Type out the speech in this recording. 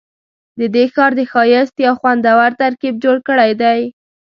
ددې ښار د ښایست یو خوندور ترکیب جوړ کړی دی.